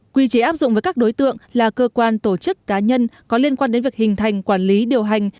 quy chế áp dụng với các đối tượng là cơ quan tổ chức cá nhân có liên quan đến việc hình thành quản lý điều hành